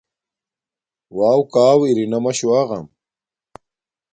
وݳݸ کݳݸ اِرِنݳ مَشُݸ اَغَم.